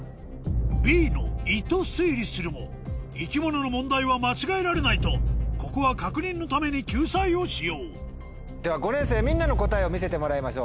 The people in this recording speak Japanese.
Ｂの胃と推理するも生き物の問題は間違えられないとここは確認のために救済を使用では５年生みんなの答えを見せてもらいましょう。